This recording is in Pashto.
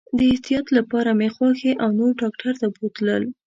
د احتیاط لپاره مې خواښي او نور ډاکټر ته بوتلل.